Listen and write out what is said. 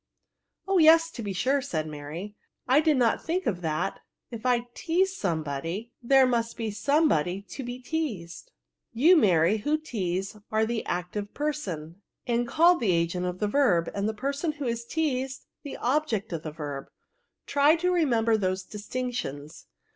" Oh yes, to be sure !" said Mary ;" I did not think of that ; if I teaze somebody, there must be somebody to be teazed." VERBS. 65 €t You, Mary, who teaze, are the active person, and called the agent of the verb; and the person who is teazed, the object of the verb ; try to remember those distinctions.